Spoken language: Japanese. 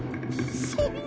そんな。